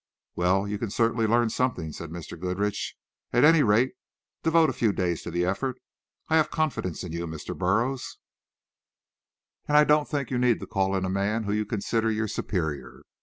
"Well, you can certainly learn something," said Mr. Goodrich. "At any rate devote a few days to the effort. I have confidence in you, Mr. Burroughs, and I don't think you need call in a man whom you consider your superior.